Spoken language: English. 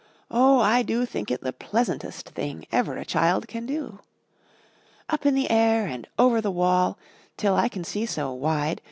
Oh, I do think it the pleasantest thing Ever a child can do! Up in the air and over the wall, Till I can see so wide.